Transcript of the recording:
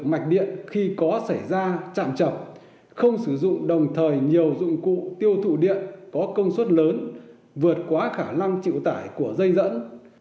mạch điện khi có xảy ra tràn chập không sử dụng đồng thời nhiều dụng cụ tiêu thụ điện có công suất lớn vượt quá khả năng chịu tải của dây dẫn